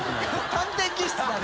探偵気質だね。